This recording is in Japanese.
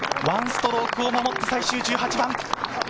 １ストロークを守って最終１８番。